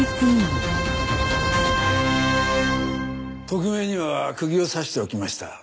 特命には釘を刺しておきました。